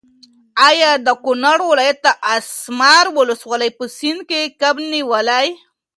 ایا د کونړ ولایت د اسمار ولسوالۍ په سیند کې کب نیولی؟